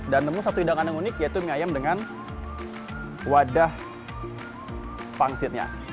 dan nemu satu hidangan yang unik yaitu mie ayam dengan wadah pangsirnya